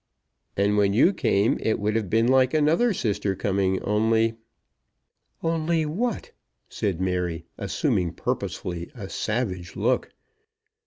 "And when you came, it would have been like another sister coming; only " "Only what?" said Mary, assuming purposely a savage look.